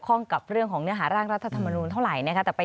ข้องกับเรื่องของเนื้อหาร่างรัฐธรรมนูลเท่าไหร่นะคะ